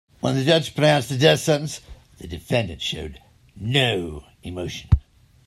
When the judge pronounced the death sentence, the defendant showed no emotion.